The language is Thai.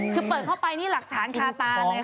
คือเปิดเข้าไปนี่หลักฐานคาตาเลยค่ะ